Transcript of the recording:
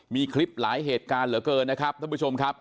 มีคลิปหลายเหตุการณ์เหลือเกินนะครับท่านผู้ชมครับ